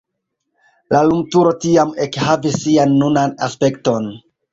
La lumturo tiam ekhavis sian nunan aspekton.